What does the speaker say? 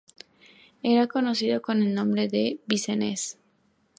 Era conocido con el nombre de "Vincennes".